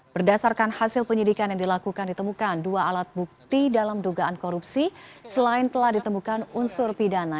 berdasarkan hasil penyidikan yang dilakukan ditemukan dua alat bukti dalam dugaan korupsi selain telah ditemukan unsur pidana